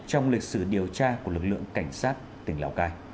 trong lịch sử điều tra của lực lượng cảnh sát tỉnh lào cai